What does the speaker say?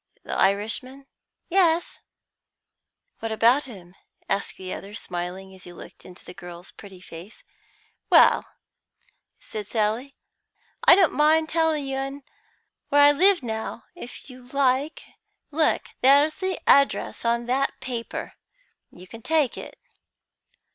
"The Irishman?" "Yes." "What about him?" asked the other, smiling as he looked into the girl's pretty face. "Well," said Sally, "I don't mind you telling un where I live now, if you like. Look, there's the address on that paper; you can take it."